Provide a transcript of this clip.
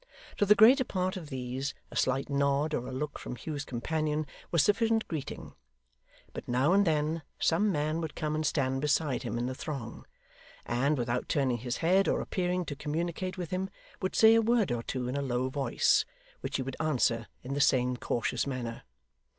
To the greater part of these, a slight nod or a look from Hugh's companion was sufficient greeting; but, now and then, some man would come and stand beside him in the throng, and, without turning his head or appearing to communicate with him, would say a word or two in a low voice, which he would answer in the same cautious manner.